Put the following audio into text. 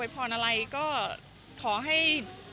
พรอะไรก็ขอให้